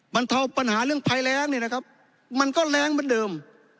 บรรเทาปัญหาเรื่องภัยแรงเนี่ยนะครับมันก็แรงเหมือนเดิม